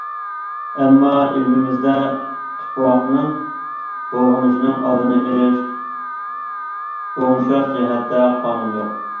ئەمما ئېلىمىزدە تۇپراقنىڭ بۇلغىنىشىنىڭ ئالدىنى ئېلىش، ئوڭشاش جەھەتتە قانۇن يوق.